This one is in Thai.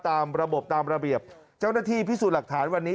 ตามระบบตามระเบียบเจ้าหน้าที่พิสูจน์หลักฐานวันนี้